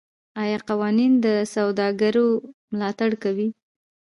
آیا قوانین د سوداګرو ملاتړ کوي؟